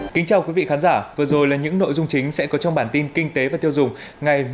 xin chào quý vị khán giả vừa rồi là những nội dung chính sẽ có trong bản tin kinh tế và tiêu dùng ngày